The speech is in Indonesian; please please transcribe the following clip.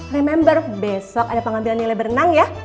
remember besok ada pengambilan nilai berenang ya